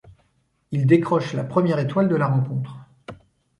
Il décroche la première étoile de la rencontre.